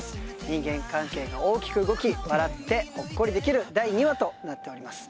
人間関係が大きく動き笑ってほっこりできる第２話となっております